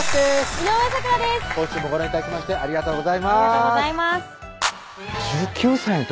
今週もご覧頂きましてありがとうございます